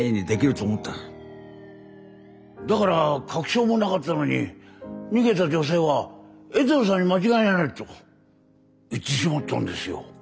だから確証もなかったのに逃げた女性は衛藤さんに間違いないと言ってしまったんですよ。